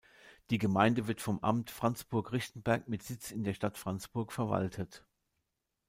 Die Gemeinde wird vom Amt Franzburg-Richtenberg mit Sitz in der Stadt Franzburg verwaltet.